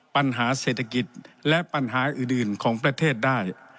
ปัญหาเศรษฐกิจและปัญหาอื่นของประเทศได้